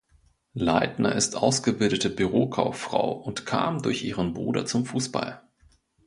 Leitner ist ausgebildete Bürokauffrau und kam durch ihren Bruder zum Fußball.